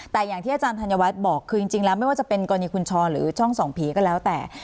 แต่อย่างที่อาจารย์ธัญวัฒน์บอกคือจริงแล้วไม่ว่าจะเป็นกรณีคุณชอหรือช่องส่องผีก็แล้วแต่